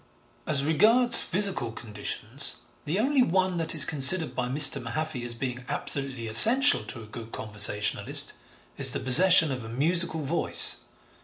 As regards physical conditions, the only one that is considered by Mr. Mahaffy as being absolutely essential to a good conversationalist, is the possession of a musical voice.